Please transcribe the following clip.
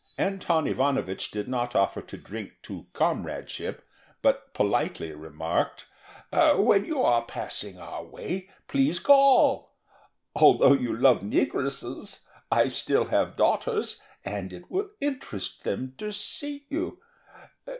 Anton Ivanovich did not offer to drink to Comradeship, but politely remarked: "When you are passing our way, please call. Although you love negresses, still I have daughters, and it will interest them to see you.